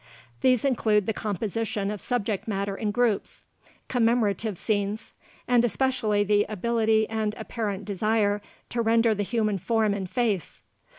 These include the composition of subject matter in groups, commemorative scenes, and especially the ability and apparent desire to render the human form and face.